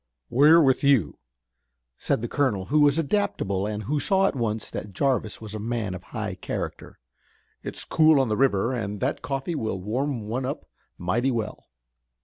"We're with you," said the colonel, who was adaptable, and who saw at once that Jarvis was a man of high character. "It's cool on the river and that coffee will warm one up mighty well."